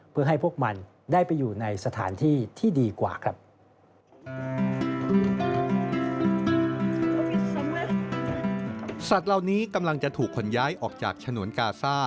เพื่อให้พวกมันได้ไปอยู่ในสถานที่ที่ดีกว่าครับ